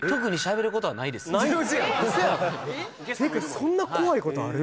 そんな怖いことある？